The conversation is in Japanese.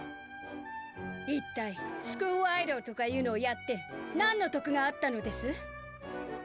一体スクールアイドルとかいうのをやって何の得があったのです？